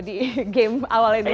di game awal ini